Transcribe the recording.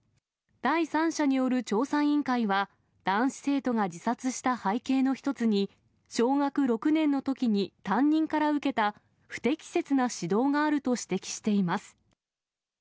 第三者による調査委員会は、男子生徒が自殺した背景の一つに、小学６年のときに担任から受けた不適切な指導があると指摘しています。